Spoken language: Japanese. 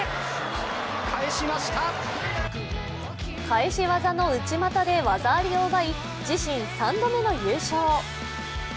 返し技の内股で技ありを奪い自身３度目の優勝。